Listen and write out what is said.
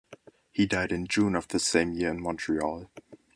He died in June of that same year in Montreal.